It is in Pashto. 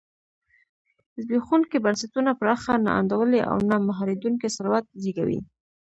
زبېښونکي بنسټونه پراخه نا انډولي او نه مهارېدونکی ثروت زېږوي.